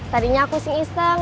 tadinya aku sing iseng